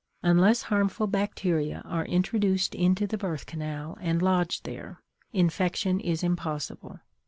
Unless harmful bacteria are introduced into the birth canal and lodge there, infection is impossible.